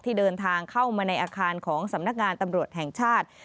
เดินทางเข้ามาในอาคารของสำนักงานตำรวจแห่งชาติ